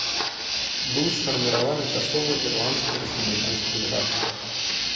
Быў сфарміраваны часовы ірландскі рэспубліканскі ўрад.